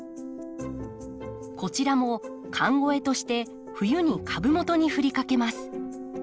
こちらも寒肥として冬に株元にふりかけます。